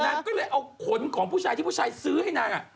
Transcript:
นางก็เลยเอาขนของผู้ชายที่ผู้ชายซื้อให้นาง